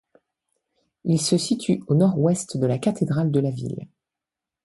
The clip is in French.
Il se situe au nord-ouest de la cathédrale de la ville.